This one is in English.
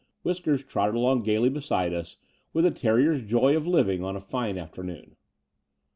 Whiskers trotted along gaily beside us with a terrier's joy of living on a fine afternoon.